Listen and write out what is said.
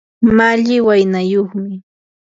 malli waynayuqmi.